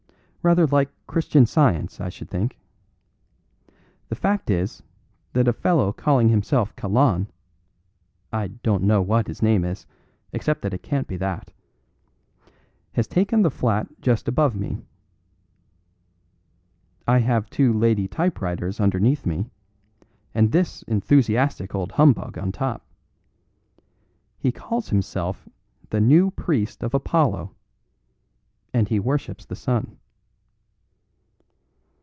Rather like Christian Science, I should think. The fact is that a fellow calling himself Kalon (I don't know what his name is, except that it can't be that) has taken the flat just above me. I have two lady typewriters underneath me, and this enthusiastic old humbug on top. He calls himself the New Priest of Apollo, and he worships the sun."